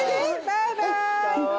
バイバイ。